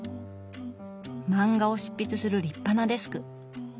漫画を執筆する立派なデスク。